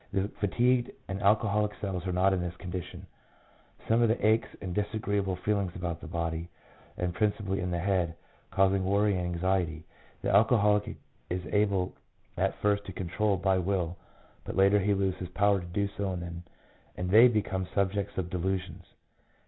The fatigued and alcoholic cells are not in this condition. Some of the aches and disagreeable feelings about the body, and prin cipally in the head, causing worry and anxiety, the alcoholic is able at first to control by will, but later he loses power to do so and they become subjects of delusions.